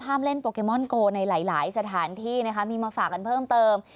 เล่นโปเกมอนโกในหลายสถานที่นะคะมีมาฝากกันเพิ่มเติม